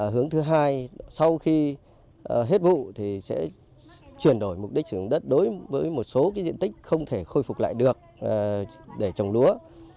hướng thứ hai sau khi hết vụ thì sẽ chuyển đổi mục đích sử dụng đất đối với một số diện tích không thể khôi phục lại được để trồng lúa